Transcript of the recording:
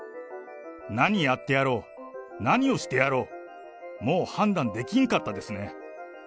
何やってやろう、何をしてやろう、もう判断できんかったですね。